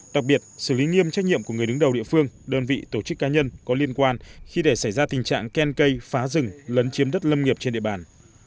đặc biệt xử lý nghiêm trách nhiệm của người đứng đầu địa phương đơn vị tổ chức cá nhân có liên quan khi để xảy ra tình trạng ken cây phá rừng lấn chiếm đất lâm nghiệp trên địa bàn